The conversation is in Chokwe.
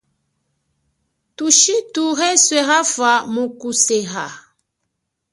Thushithu eswe kafa muku seha.